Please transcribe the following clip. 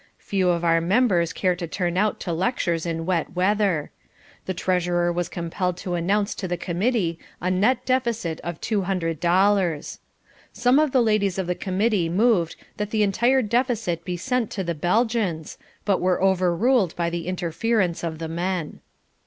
Few of our members care to turn out to lectures in wet weather. The treasurer was compelled to announce to the Committee a net deficit of two hundred dollars. Some of the ladies of the Committee moved that the entire deficit be sent to the Belgians, but were overruled by the interference of the men.